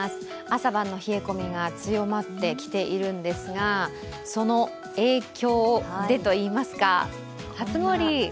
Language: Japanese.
朝晩の冷え込みが強まってきているんですが、その影響でといいますか、初氷。